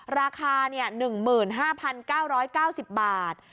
ราคา๑๕๙๙๐บาท